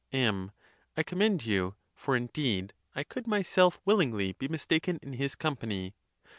M. I commend you; for, indeed, I could myself willing ly be mistaken in his company.